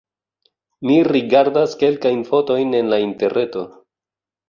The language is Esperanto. Mi rigardas kelkajn fotojn en la interreto.